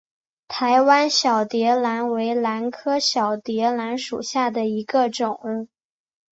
台湾小蝶兰为兰科小蝶兰属下的一个种。